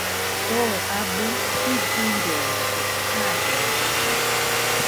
Too abɨ jiduireoide kajenia.